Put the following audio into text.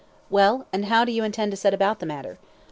"Well, and how do you intend to set about the matter?"